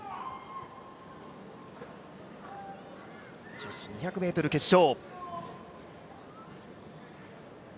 女子２００ｍ決勝。